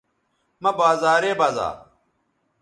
مہ بازارے بزا